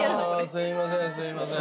すいません。